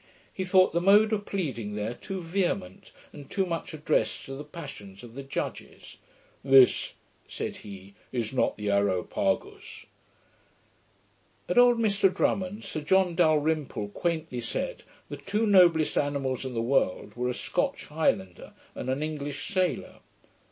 He thought the mode of pleading there too vehement, and too much addressed to the passions of the judges. 'This,' said he, 'is not the Areopagus.' At old Mr Drummond's, Sir John Dalrymple quaintly said, the two noblest animals in the world were, a Scotch highlander and an English sailor.